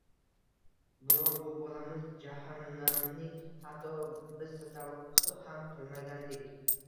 Biroq bu bolamiz jahannamning hatto biz tasavvur ham qilmagandik.